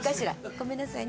ごめんなさいね。